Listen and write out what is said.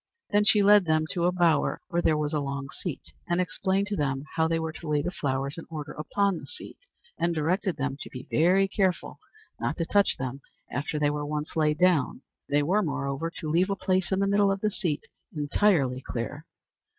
Then she led them to a bower where there was a long seat, and explained to them how they were to lay the flowers in order upon the seat, and directed them to be very careful not to touch them after they were once laid down. They were, moreover, to leave a place in the middle of the seat entirely clear.